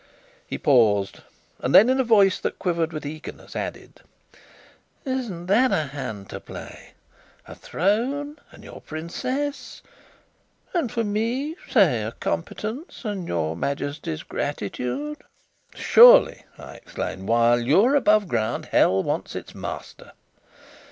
He paused, and then, in a voice that quivered with eagerness, added: "Isn't that a hand to play? a throne and your princess! And for me, say a competence and your Majesty's gratitude." "Surely," I exclaimed, "while you're above ground, hell wants its master!"